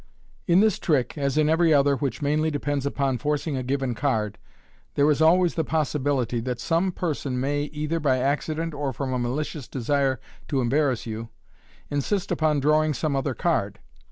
In this trick, as in every other which mainly depends upon forc ing a given card, there is always the possibility that some person may, either by accident or from a malicious desire to embarrass you, insist upon drawing some other card.